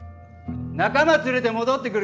仲間連れて戻ってくるからよ